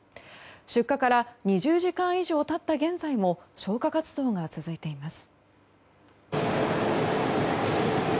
出火から２０時間以上経った現在も消火活動が続いています。